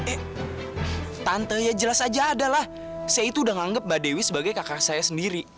eh tante ya jelas aja adalah saya itu udah menganggap mbak dewi sebagai kakak saya sendiri